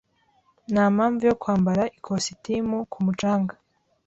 Nta mpamvu yo kwambara ikositimu ku mucanga.